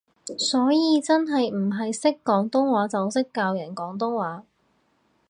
所以真係唔係識廣東話就識教人廣東話